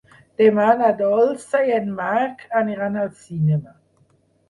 Demà na Dolça i en Marc aniran al cinema.